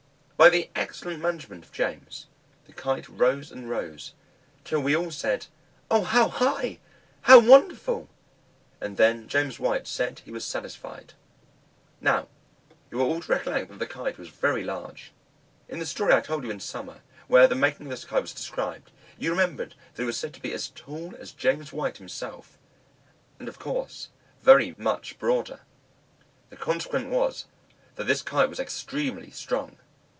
By the excellent management of James, the Kite rose and rose, till we all said, "O, how high! how wonderful!" And then James White said he was satisfied. Now you are all to recollect that this Kite was very large. In the story I told you in summer, where the making of this Kite was described, you remember that it was said to be as tall as James White himself, and of course very much broader. The consequence was, that this Kite was extremely strong.